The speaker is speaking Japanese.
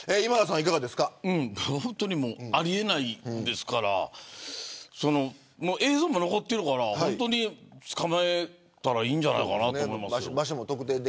本当にあり得ないですから映像も残ってるから本当に捕まえたらいいんじゃないかなと思いますよ。